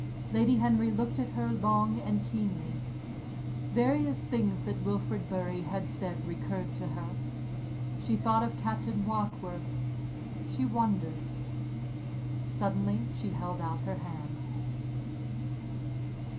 Lady Henry looked at her long and keenly. Various things that Wilfrid Bury had said recurred to her. She thought of Captain Warkworth. She wondered. Suddenly she held out her hand.